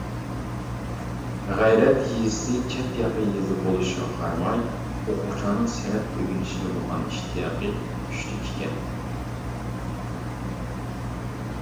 غەيرەت يېزىسى چەت-ياقا يېزا بولۇشىغا قارىماي ئوقۇغۇچىلارنىڭ سەنئەت ئۆگىنىشكە بولغان ئىشتىياقى كۈچلۈك ئىكەن.